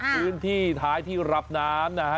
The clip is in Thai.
พื้นที่ท้ายที่รับน้ำนะฮะ